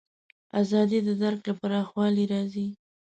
ازادي د درک له پراخوالي راځي.